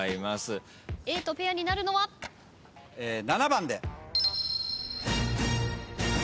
７番で。